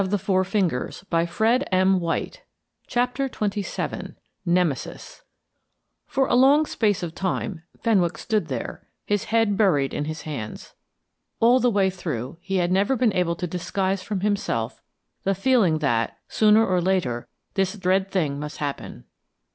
The last warning the fourth finger!" CHAPTER XXVII NEMESIS For a long space of time Fenwick stood there, his head buried in his hands. All the way through, he had never been able to disguise from himself the feeling that, sooner or later, this dread thing must happen.